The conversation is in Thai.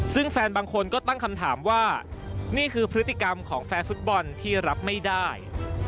ซึ่งแฟนบางคนก็ตั้งคำถามว่านี่คือพฤติกรรมของแฟนฟุตบอลที่รับไม่ได้